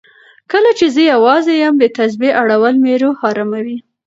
کله چې زه یوازې یم، د تسبېح اړول مې روح اراموي.